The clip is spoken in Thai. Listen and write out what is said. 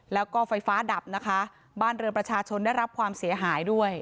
แล้วก็ไฟฟ้าดับนะคะบ้านเรือนประชาชนได้รับความเสียหายด้วย